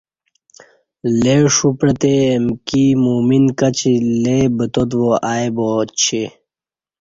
لےݜو پعتہ امکی مؤمن کچی لئے بتات وا ای باچہ